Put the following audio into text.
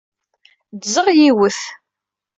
Ddzeɣ yiwet.